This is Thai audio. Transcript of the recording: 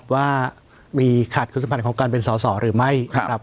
ว่ามีขาดครูสะบัดตรงการเป็นสอบหรือไม่